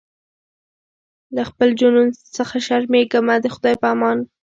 له خپل جنون څخه شرمېږمه د خدای په امان